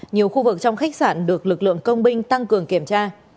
nhiều khu vực trong khách sạn được lực lượng công binh tăng cường kiểm tra